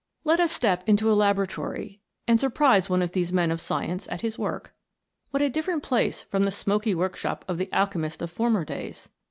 Let us step into a laboratory and surprise one of these men of science at his work. What a different place from the smoky workshop of the alchemist of former days